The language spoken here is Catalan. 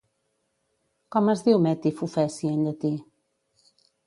Com es diu Meti Fufeci en llatí?